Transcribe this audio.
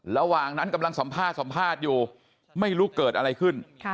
ระหว่างนั้นกำลังสัมภาษณ์อยู่ไม่รู้เกิดอะไรขึ้น